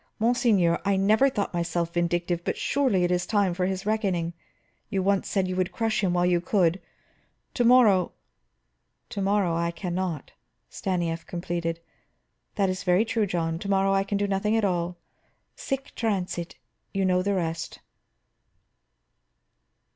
"Monseigneur, I never thought myself vindictive, but surely it is time for his reckoning. You once said you would crush him while you could; to morrow " "To morrow I can not," Stanief completed. "That is very true, John; to morrow I can do nothing, nothing at all. Sic transit you know the rest."